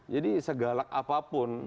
jadi segalak apapun